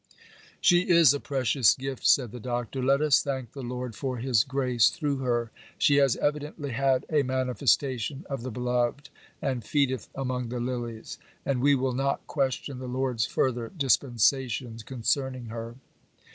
'She is a precious gift,' said the Doctor; 'let us thank the Lord for His grace through her. She has evidently had a manifestation of the Beloved, and feedeth among the lilies (Canticles vi. 3); and we will not question the Lord's further dispensations concerning her.